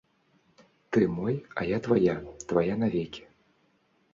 Ты мой, а я твая, твая навекі.